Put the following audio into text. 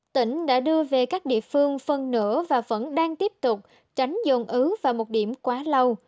tỉnh đã đưa về các địa phương phần nửa và vẫn đang tiếp tục tránh dồn ứ và một điểm quá lâu